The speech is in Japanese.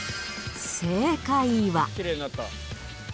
正解は。